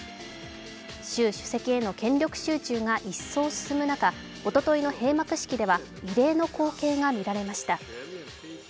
習主席への権力集中が一層進む中、おとといの閉幕式では異例の光景が見られました。